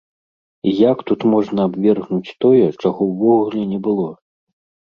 І як тут можна абвергнуць тое, чаго ўвогуле не было?